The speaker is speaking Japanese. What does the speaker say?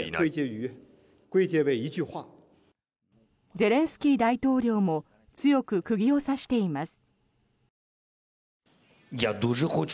ゼレンスキー大統領も強く釘を刺しています。